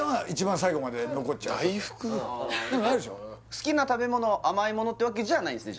好きな食べ物は甘いものってわけじゃないんですね